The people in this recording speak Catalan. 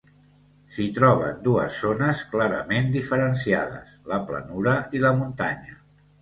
S'hi troben dues zones clarament diferenciades: la planura i la muntanya.